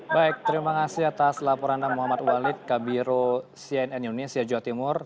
baik terima kasih atas laporan anda muhammad walid kabiro cnn indonesia jawa timur